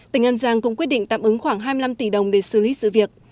tỉnh an giang cũng quyết định tạm ứng khoảng hai mươi năm tỷ đồng để xử lý sự việc